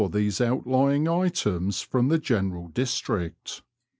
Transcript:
these outlying items from the general district.